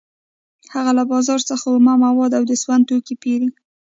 هغه له بازار څخه اومه مواد او د سون توکي پېري